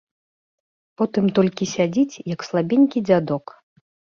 Потым толькі сядзіць, як слабенькі дзядок.